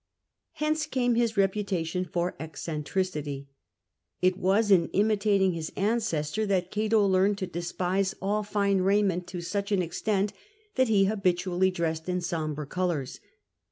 Hence came his reputation for eccentricity. It was in imitating his ancestor that Cato learnt to despise all fine raiment to such an extent that he habituatly dressed in sombre colours.